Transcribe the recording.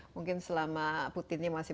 mungkin selama putinnya masih